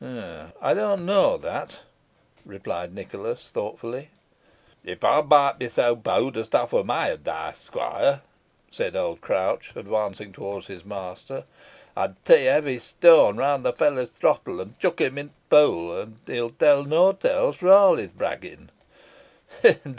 "I don't know that," replied Nicholas, thoughtfully. "If ey might be so bowd os offer my advice, squoire," said old Crouch, advancing towards his master, "ey'd tee a heavy stoan round the felly's throttle, an chuck him into t' poo', an' he'n tell no teles fo' all his bragging."